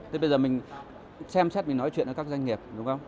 thế bây giờ mình xem xét mình nói chuyện với các doanh nghiệp đúng không